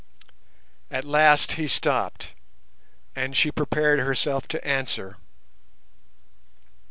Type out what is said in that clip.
At last he stopped, and she prepared herself to answer.